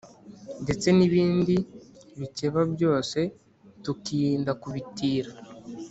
ndetse n’ibindi bikeba byose tukirinda kubitira